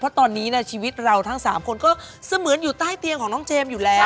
เพราะตอนนี้ชีวิตเราทั้ง๓คนก็เสมือนอยู่ใต้เตียงของน้องเจมส์อยู่แล้ว